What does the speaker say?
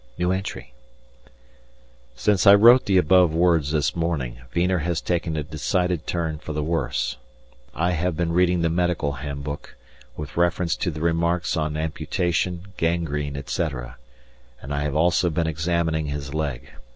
Since I wrote the above words this morning, Wiener has taken a decided turn for the worse. I have been reading the "Medical Handbook," with reference to the remarks on amputation, gangrene, etc., and I have also been examining his leg.